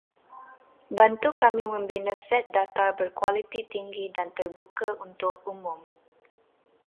Bantu kami membina set data berkualiti tinggi dan terbuka untuk umum